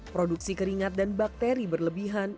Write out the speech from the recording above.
produksi keringat dan bakteri berlebihan